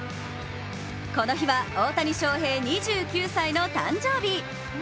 この日は大谷翔平、２９歳の誕生日。